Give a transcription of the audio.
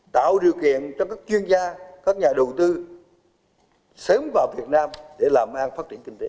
tạo điều kiện cho các chuyên gia các nhà đầu tư sớm vào việt nam để làm an phát triển kinh tế